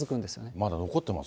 まだ残ってます